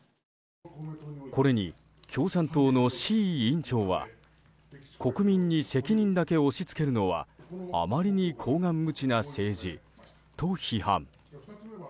これに共産党の志位委員長は国民に責任だけ押し付けるのはあまりに厚顔無恥な政治と批判。